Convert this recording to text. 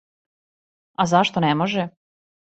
А зашто не може?